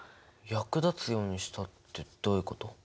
役立つようにしたってどういうこと？